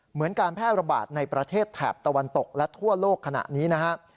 เหมือนการแพร่ระบาดในประเทศแถบตะวันตกและทั่วโลกขณะนี้นะครับ